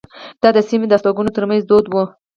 دا د سیمې د استوګنو ترمنځ دود وو.